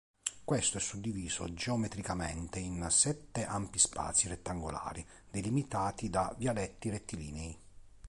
Questo è suddiviso geometricamente in sette ampi spazi rettangolari delimitati da vialetti rettilinei.